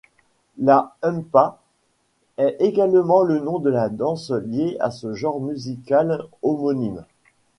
La humppa est également le nom de la danse liée au genre musical homonyme.